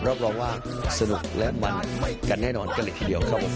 รับรองว่าสนุกและมันกันแน่นอนกันเลยทีเดียวครับผม